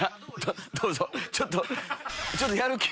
ちょっとやる気。